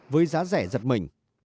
với giá rẻ giật mình